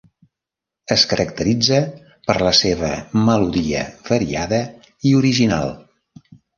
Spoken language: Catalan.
Es caracteritza per la seva melodia variada i original.